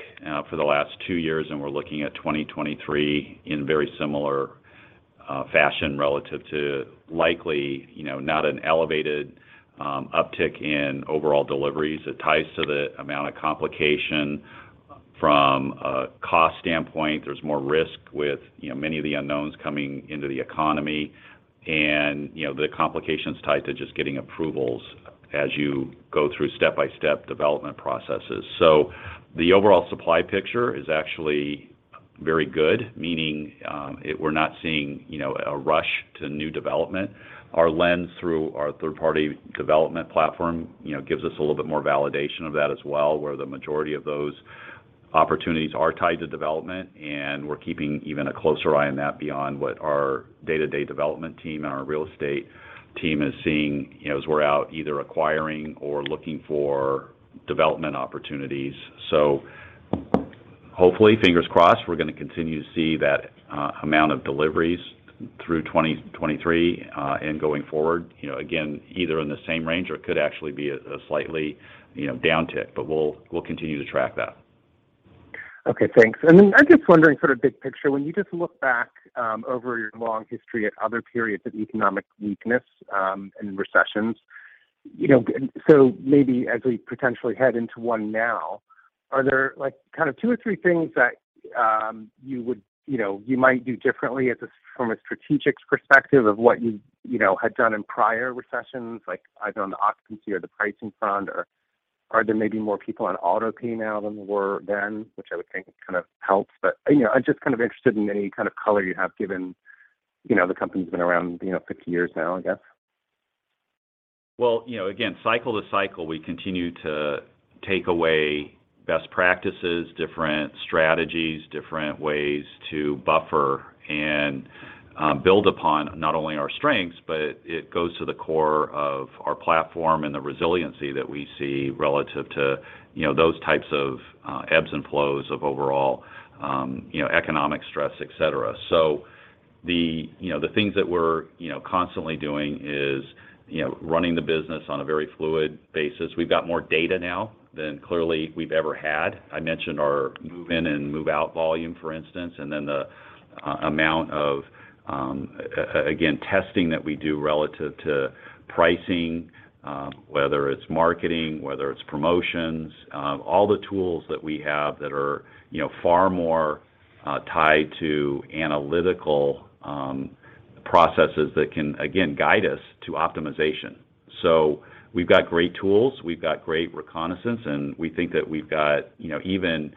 for the last two years. We're looking at 2023 in very similar fashion relative to likely, you know, not an elevated uptick in overall deliveries. It ties to the amount of complication from a cost standpoint. There's more risk with, you know, many of the unknowns coming into the economy and, you know, the complications tied to just getting approvals as you go through step-by-step development processes. The overall supply picture is actually very good, meaning, we're not seeing, you know, a rush to new development. Our lens through our third-party development platform, you know, gives us a little bit more validation of that as well, where the majority of those opportunities are tied to development, and we're keeping even a closer eye on that beyond what our day-to-day development team and our real estate team is seeing, you know, as we're out either acquiring or looking for development opportunities. Hopefully, fingers crossed, we're gonna continue to see that amount of deliveries through 2023 and going forward. You know, again, either in the same range, or it could actually be a slightly, you know, downtick, but we'll continue to track that. Okay, thanks. I'm just wondering sort of big picture, when you just look back over your long history at other periods of economic weakness and recessions, you know, and so maybe as we potentially head into one now, are there, like, kind of two or three things that you would, you know, you might do differently at this from a strategic perspective of what you've, you know, had done in prior recessions, like either on the occupancy or the pricing front, or are there maybe more people on auto pay now than there were then, which I would think kind of helps? You know, I'm just kind of interested in any kind of color you have given, you know, the company's been around, you know, 50 years now, I guess. Well, you know, again, cycle to cycle, we continue to take away best practices, different strategies, different ways to buffer and build upon not only our strengths, but it goes to the core of our platform and the resiliency that we see relative to, you know, those types of ebbs and flows of overall economic stress, et cetera. The, you know, the things that we're, you know, constantly doing is, you know, running the business on a very fluid basis. We've got more data now than clearly we've ever had. I mentioned our move-in and move-out volume, for instance, and then the amount of, again, testing that we do relative to pricing, whether it's marketing, whether it's promotions, all the tools that we have that are, you know, far more tied to analytical processes that can, again, guide us to optimization. We've got great tools, we've got great reconnaissance, and we think that we've got, you know, even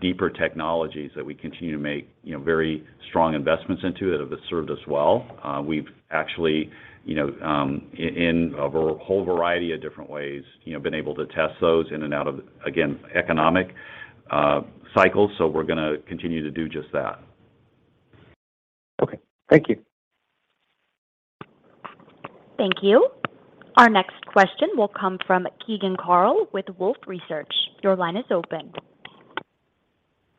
deeper technologies that we continue to make, you know, very strong investments into that have served us well. We've actually, you know, in a whole variety of different ways, you know, been able to test those in and out of, again, economic cycles. We're gonna continue to do just that. Okay. Thank you. Thank you. Our next question will come from Keegan Carl with Wolfe Research. Your line is open.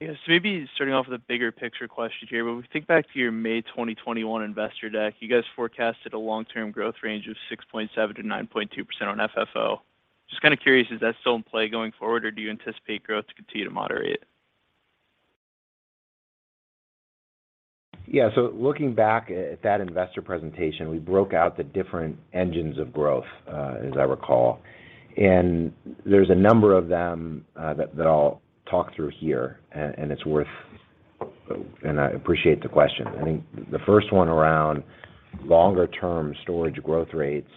Yes. Maybe starting off with a bigger picture question here, but when we think back to your May 2021 investor deck, you guys forecasted a long-term growth range of 6.7%-9.2% on FFO. Just kind of curious, is that still in play going forward, or do you anticipate growth to continue to moderate? Looking back at that investor presentation, we broke out the different engines of growth, as I recall. There's a number of them that I'll talk through here, and I appreciate the question. I think the first one around longer-term storage growth rates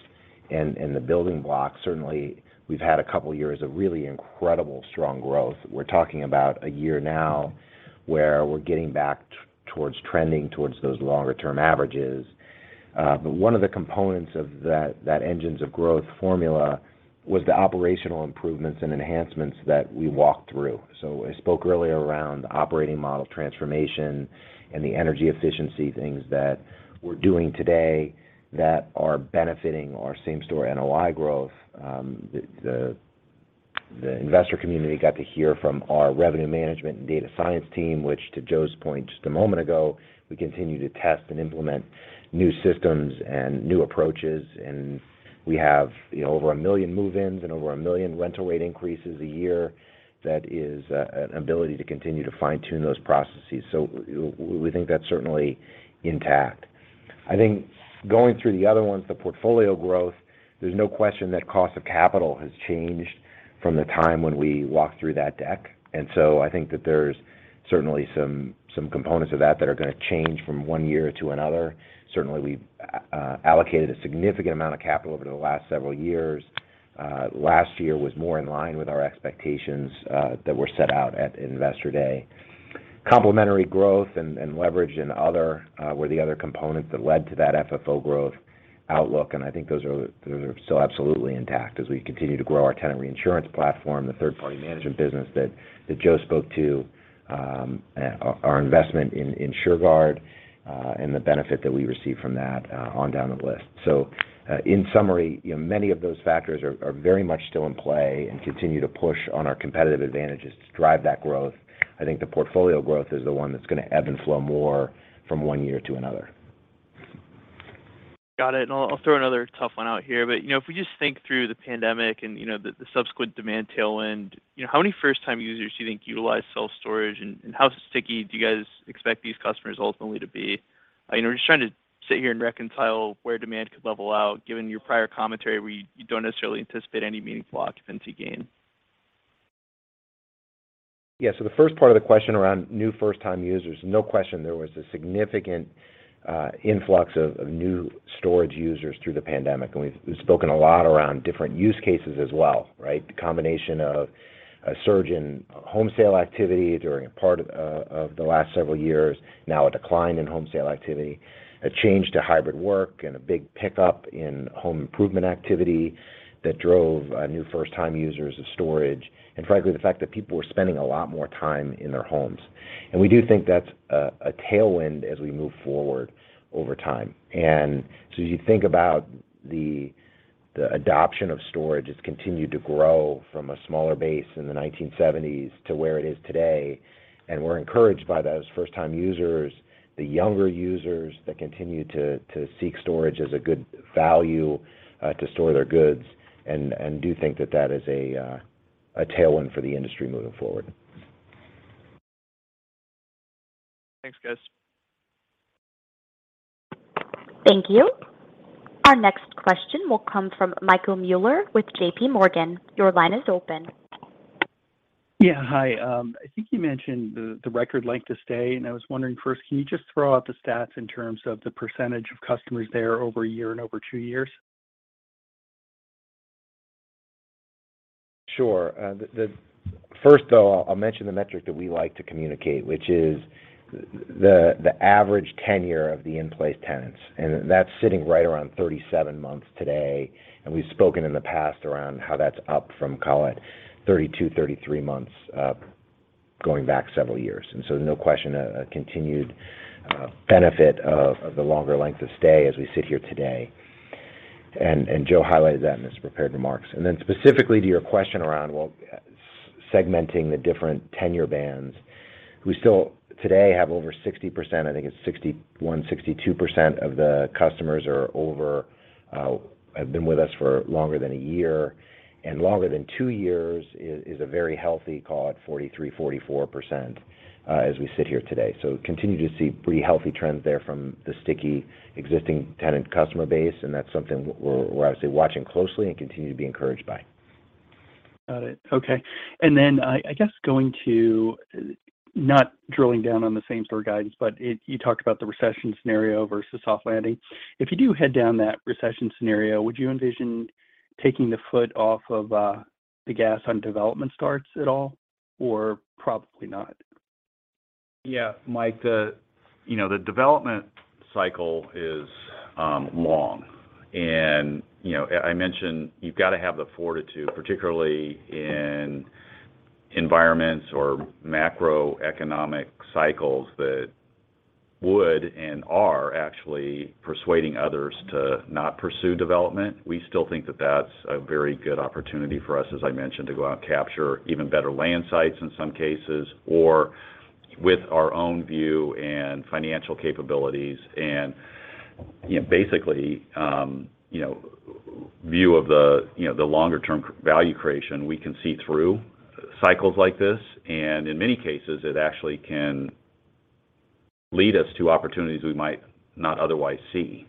and the building blocks, certainly we've had a couple of years of really incredible strong growth. We're talking about a year now where we're getting back towards trending towards those longer-term averages. One of the components of that engines of growth formula was the operational improvements and enhancements that we walked through. I spoke earlier around operating model transformation and the energy efficiency things that we're doing today that are benefiting our same store NOI growth. The, the investor community got to hear from our revenue management and data science team, which to Joe's point just a moment ago, we continue to test and implement new systems and new approaches. We have, you know, over one million move-ins and over one million rental rate increases a year. That is an ability to continue to fine-tune those processes. We think that's certainly intact. I think going through the other ones, the portfolio growth, there's no question that cost of capital has changed from the time when we walked through that deck. I think that there's certainly some components of that that are going to change from one year to another. Certainly, we've allocated a significant amount of capital over the last several years. Last year was more in line with our expectations that were set out at Investor Day. Complementary growth and leverage and other were the other components that led to that FFO growth outlook, and I think those are still absolutely intact as we continue to grow our tenant reinsurance platform, the third-party management business that Joe spoke to, our investment in InsureGuard, and the benefit that we receive from that on down the list. In summary, you know, many of those factors are very much still in play and continue to push on our competitive advantages to drive that growth. I think the portfolio growth is the one that's gonna ebb and flow more from one year to another. Got it. I'll throw another tough one out here. You know, if we just think through the pandemic and, you know, the subsequent demand tailwind, you know, how many first-time users do you think utilize self-storage, and how sticky do you guys expect these customers ultimately to be? You know, we're just trying to sit here and reconcile where demand could level out, given your prior commentary where you don't necessarily anticipate any meaningful occupancy gain. The first part of the question around new first-time users, no question, there was a significant influx of new storage users through the pandemic. We've spoken a lot around different use cases as well, right? The combination of a surge in home sale activity during a part of the last several years, now a decline in home sale activity, a change to hybrid work, and a big pickup in home improvement activity that drove new first-time users of storage, and frankly, the fact that people were spending a lot more time in their homes. We do think that's a tailwind as we move forward over time. As you think about the adoption of storage, it's continued to grow from a smaller base in the 1970s to where it is today. We're encouraged by those first-time users, the younger users that continue to seek storage as a good value, to store their goods and do think that that is a tailwind for the industry moving forward. Thanks, guys. Thank you. Our next question will come from Michael Mueller with JPMorgan. Your line is open. Yeah. Hi. I think you mentioned the record length of stay, and I was wondering first, can you just throw out the stats in terms of the percentage of customers there over a year and over two years? Sure. First, though, I'll mention the metric that we like to communicate, which is the average tenure of the in-place tenants, and that's sitting right around 37 months today. We've spoken in the past around how that's up from, call it, 32, 33 months up, going back several years. No question, a continued benefit of the longer length of stay as we sit here today. Joe highlighted that in his prepared remarks. Specifically to your question around, well, segmenting the different tenure bands, we still today have over 60%, I think it's 61%-62% of the customers have been with us for longer than a year. Longer than two years is a very healthy, call it 43%-44%, as we sit here today. Continue to see pretty healthy trends there from the sticky existing tenant customer base, and that's something we're obviously watching closely and continue to be encouraged by. Got it. Okay. I guess going to, not drilling down on the same-store guidance, but you talked about the recession scenario versus soft landing. If you do head down that recession scenario, would you envision taking the foot off of the gas on development starts at all, or probably not? Yeah. Mike, the, you know, the development cycle is long. You know, I mentioned you've got to have the fortitude, particularly in environments or macroeconomic cycles that would and are actually persuading others to not pursue development. We still think that that's a very good opportunity for us, as I mentioned, to go out and capture even better land sites in some cases or with our own view and financial capabilities and, you know, basically, you know, view of the, you know, the longer term value creation, we can see through cycles like this, and in many cases, it actually can lead us to opportunities we might not otherwise see.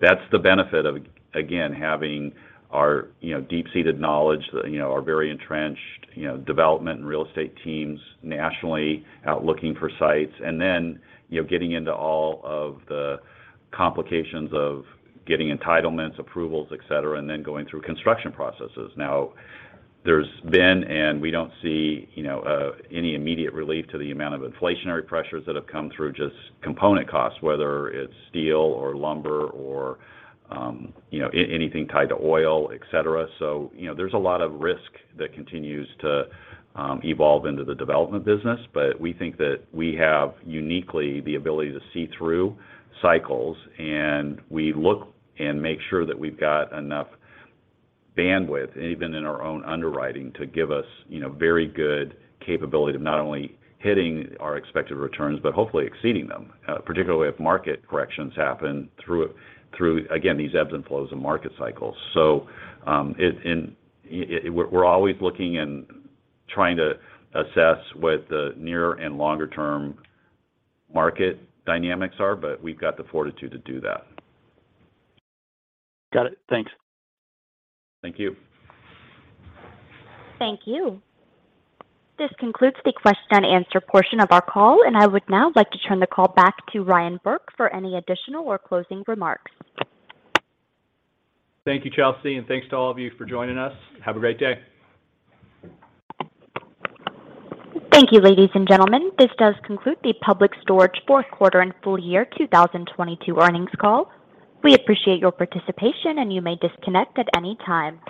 That's the benefit of, again, having our, you know, deep-seated knowledge, you know, our very entrenched, you know, development and real estate teams nationally out looking for sites and then, you know, getting into all of the complications of getting entitlements, approvals, et cetera, and then going through construction processes. There's been, and we don't see, you know, any immediate relief to the amount of inflationary pressures that have come through just component costs, whether it's steel or lumber or, you know, anything tied to oil, et cetera. You know, there's a lot of risk that continues to evolve into the development business. We think that we have uniquely the ability to see through cycles, and we look and make sure that we've got enough bandwidth, even in our own underwriting, to give us, you know, very good capability of not only hitting our expected returns, but hopefully exceeding them, particularly if market corrections happen through, again, these ebbs and flows and market cycles. We're always looking and trying to assess what the near and longer term market dynamics are, but we've got the fortitude to do that. Got it. Thanks. Thank you. Thank you. This concludes the question and answer portion of our call, and I would now like to turn the call back to Ryan Burke for any additional or closing remarks. Thank you, Chelsea, and thanks to all of you for joining us. Have a great day. Thank you, ladies and gentlemen. This does conclude the Public Storage fourth quarter and full year 2022 earnings call. We appreciate your participation, and you may disconnect at any time.